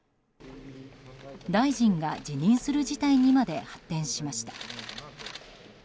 大臣が辞任する事態にまで発展しました。